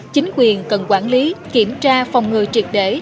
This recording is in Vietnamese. chính quyền cần quản lý kiểm tra phòng ngừa triệt để